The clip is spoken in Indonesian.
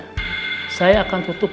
pak nino harus diistirahatkan dulu matanya